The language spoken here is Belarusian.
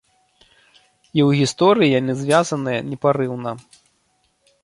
І ў гісторыі яны звязаныя непарыўна.